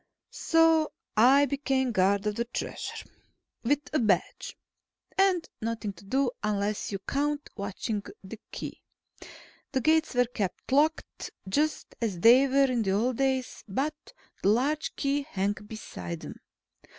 So I became guard of the Treasure. With a badge. And nothing to do unless you count watching the Key. The gates were kept locked, just as they were in the old days, but the large Key hung beside them.